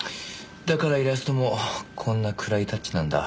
だからイラストもこんな暗いタッチなんだ。